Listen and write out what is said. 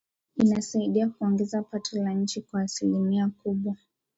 inasaidia kuongeza pato la nchi kwa asilimia kubwa